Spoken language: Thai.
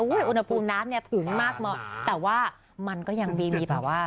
อุณหภูมิหนาสถึงมากแต่ว่ามันก็ยังบีป่ะว่า